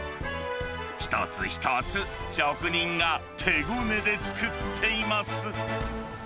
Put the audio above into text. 一つ一つ職人が手ごねで作っています。